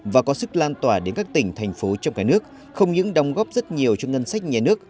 và có sức lan tỏa đến các tỉnh thành phố trong cả nước không những đóng góp rất nhiều cho ngân sách nhà nước